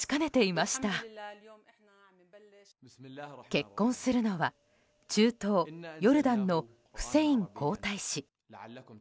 結婚するのは中東ヨルダンのフセイン皇太子。